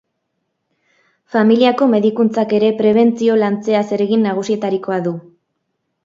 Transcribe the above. Familiako medikuntzak ere prebentzioa lantzea zeregin nagusietarikoa du.